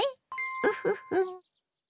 ウフフ。